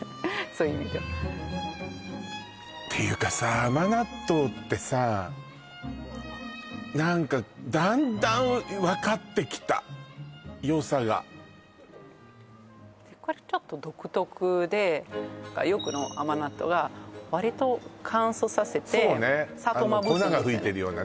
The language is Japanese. そういう意味ではていうかさ甘納豆ってさ何かだんだん分かってきた良さがこれちょっと独特でよくの甘納豆は割と乾燥させて砂糖まぶすんですよね